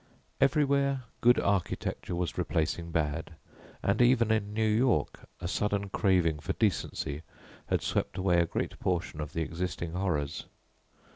Everywhere good architecture was replacing bad, and even in New York, a sudden craving for decency had swept away a great portion of the existing horrors.